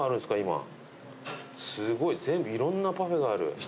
すごい全部いろんなパフェがある。